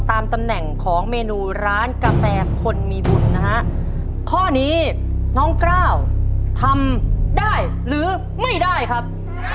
ตำแหน่งของเมนูร้านกาแฟคนมีบุญนะฮะข้อนี้น้องกล้าวทำได้หรือไม่ได้ครับ